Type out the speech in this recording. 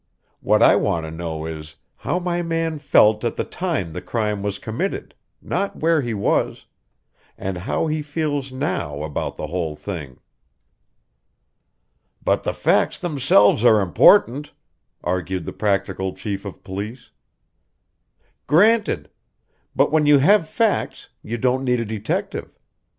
What I want to know is how my man felt at the time the crime was committed not where he was; and how he feels now about the whole thing." "But the facts themselves are important," argued the practical chief of police. "Granted! But when you have facts, you don't need a detective.